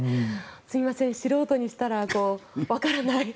すみません、素人にしたらわからない。